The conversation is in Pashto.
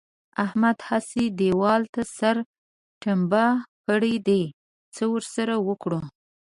احمد هسې دېوال ته سر ټنبه کړی دی؛ څه ور سره وکړو؟!